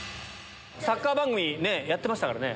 サッカー番組、やってましたからね。